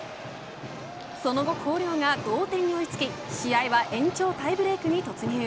その後、広陵が同点に追い付き試合は延長タイブレークに突入。